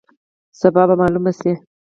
سبا به معلومه شي.